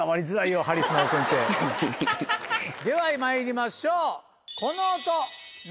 ではまいりましょう。